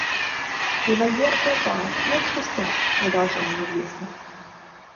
Револьвер пропал, но это пустяк, - продолжал неизвестный.